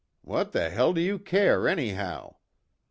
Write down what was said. What the hell do you care anyhow?